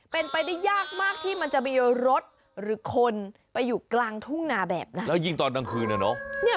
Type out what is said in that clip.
เป็นไปได้ยากมากที่มันจะมี